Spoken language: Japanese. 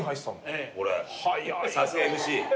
さすがＭＣ。